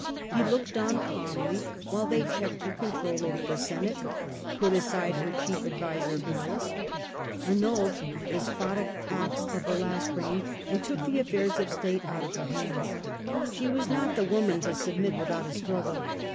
He looked on calmly while they checked her control over the Senate, put aside her chief adviser, Pallas, annulled the despotic acts of the last reign, and took the affairs of state out of her hands. She was not the woman to submit without a struggle.